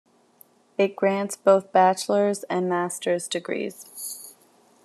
It grants both bachelors and masters degrees.